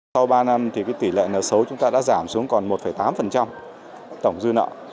sau ba năm thì tỷ lệ nợ xấu chúng ta đã giảm xuống còn một tám tổng dư nợ